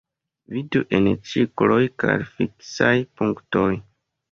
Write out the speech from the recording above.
Vidu en cikloj kaj fiksaj punktoj.